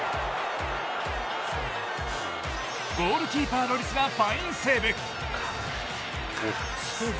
ゴールキーパー・ロリスがファインセーブ。